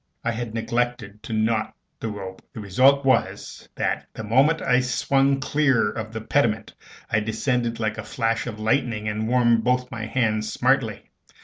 I had neglected to knot the rope; the result was, that, the moment I swung clear of the pediment, I descended like a flash of lightning, and warmed both my hands smartly.